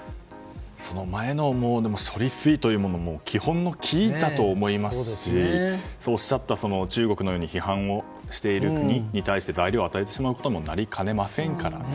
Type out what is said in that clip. その前の処理水というものも基本の「基」だと思いますし中国のように批判をしている国に対して材料を与えてしまうことにもなりかねませんからね。